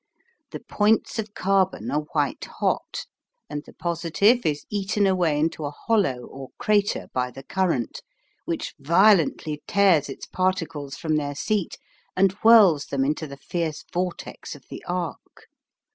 The points of carbon are white hot, and the positive is eaten away into a hollow or crater by the current, which violently tears its particles from their seat and whirls them into the fierce vortex of the arc.